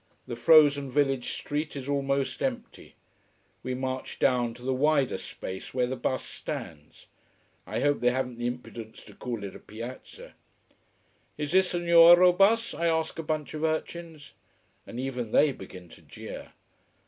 The frozen village street is almost empty. We march down to the wider space where the bus stands: I hope they haven't the impudence to call it a Piazza. "Is this the Nuoro bus?" I ask of a bunch of urchins. And even they begin to jeer.